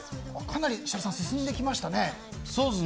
かなり、設楽さん進んできましたね。